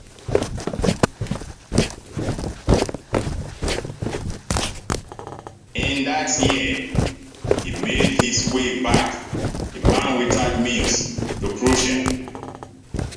In that year, he made his way back, a man without means, to Prussia.